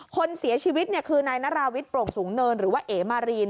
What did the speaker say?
คนเสียชีวิตคือนายนาราวิทย์โปร่งสูงเนินหรือว่าเอ๋มารีน